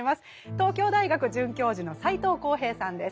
東京大学准教授の斎藤幸平さんです。